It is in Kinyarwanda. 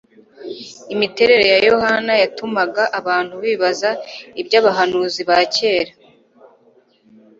Imiterere ya Yohana yatumaga abantu bibaza iby'abahanuzi ba kera.